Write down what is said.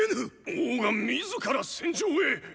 王が自ら戦場へっ！